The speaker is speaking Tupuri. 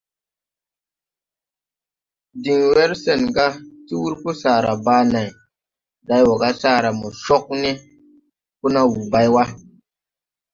Din wer sen ga ti wurpɔ sara baa nay, day wɔ ga sara mo cog ne, ko na wuu bay wa.